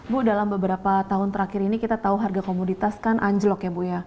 bu dalam beberapa tahun terakhir ini kita tahu harga komoditas kan anjlok ya bu ya